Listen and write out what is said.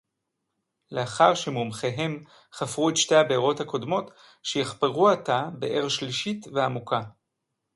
לְאַחַר שֶׁמֻּמְחֵיהֶם חָפְרוּ אֶת שְׁתֵּי הַבְּאֵרוֹת הַקּוֹדְמוֹת, שֶׁיַחְפְּרוּ עַתָּה בְּאֵר שְׁלִישִׁית וַעֲמֻקָּה.